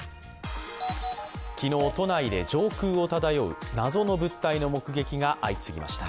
昨日、都内で上空を漂う謎の物体の目撃が相次ぎました。